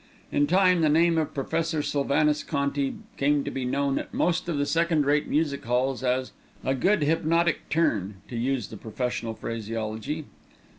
In time the name of Professor Sylvanus Conti came to be known at most of the second rate music halls as "a good hypnotic turn" to use the professional phraseology.